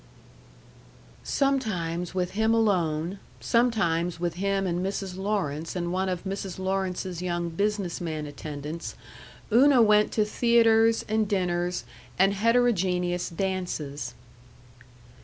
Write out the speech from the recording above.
Sometimes with him alone, sometimes with him and Mrs. Lawrence and one of Mrs. Lawrence's young businessman attendants, Una went to theaters and dinners and heterogeneous dances.